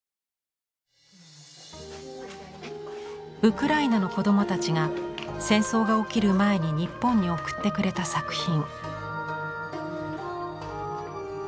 ウクライナの子どもたちが戦争が起きる前に日本に送ってくれた作品。